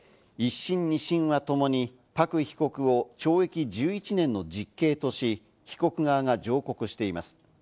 １審、２審はともに、パク被告を懲役１１年の実刑とし、被告側が上告しています。